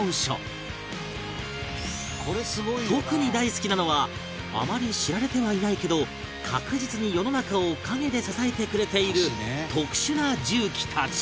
特に大好きなのはあまり知られてはいないけど確実に世の中を陰で支えてくれている特殊な重機たち